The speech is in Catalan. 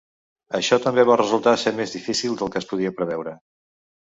Això també va resultar ser més difícil del que es podia preveure.